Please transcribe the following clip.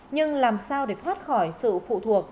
nhưng làm sao để thoát khỏi sự phụ thuộc